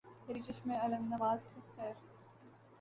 تیری چشم الم نواز کی خیر